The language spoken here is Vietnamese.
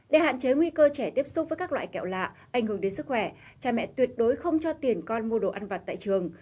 để hạn chế nguy cơ trẻ tiếp xúc với các loại kẹo lạ ảnh hưởng đến sức khỏe cha mẹ tuyệt đối không cho tiền con mua đồ ăn vặt tại trường